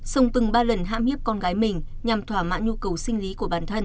xong từng ba lần hãm hiếp con gái mình nhằm thỏa mãn nhu cầu sinh lý của bản thân